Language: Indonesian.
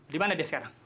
dimana dia sekarang